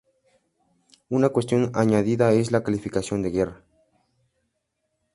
Una cuestión añadida es la calificación de guerra.